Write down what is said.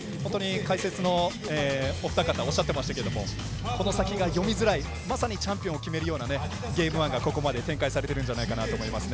解説のお二方おっしゃってましたけどこの先が読みづらい、まさにチャンピオンを決めるにふさわしいゲーム１がここまで展開されているんじゃないかなと思います。